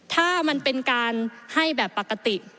ถ้ามันเป็นการให้แบบปกติ